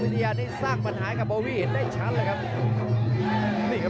พาท่านผู้ชมกลับติดตามความมันกันต่อครับ